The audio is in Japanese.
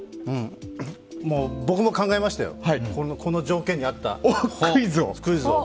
僕も考えましたよ、この条件に合ったクイズを。